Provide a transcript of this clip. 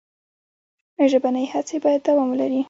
ژبنۍ هڅې باید دوام ولري.